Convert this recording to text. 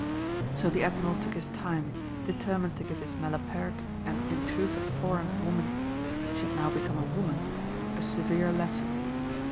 So the Admiral took his time, determined to give this malapert and intrusive foreign woman—she had now become a woman—a severe lesson.